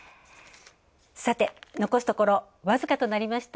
さて、残すところ僅かとなりました